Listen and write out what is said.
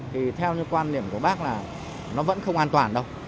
thì theo như quan điểm của bác là nó vẫn không an toàn đâu